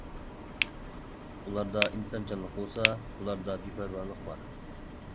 ئۇلاردا ئىنتىزامچانلىق بولسا، بۇلاردا بىپەرۋالىق بار.